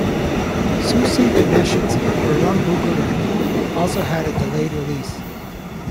Susi Ganeshan' s "Virumbugiren" also had a delayed release.